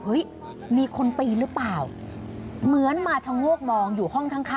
เฮ้ยมีคนปีหรือเปล่าเหมือนมาเฉางกมองอยู่ห้องข้าง